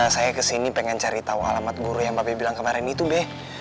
saya ke sini pengen cari tahu alamat guru yang mbak be bilang kemarin itu be